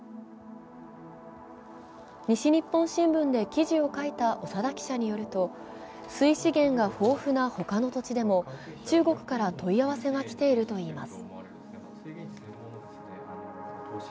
西日本新聞で記事を書いた長田記者によると、水資源が豊富な他の土地でも、中国から問い合わせが来ているといいます。